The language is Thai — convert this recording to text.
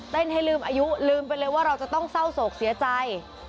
ให้ลืมอายุลืมไปเลยว่าเราจะต้องเศร้าโศกเสียใจ